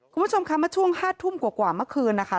คุณผู้ชมคะเมื่อช่วง๕ทุ่มกว่าเมื่อคืนนะคะ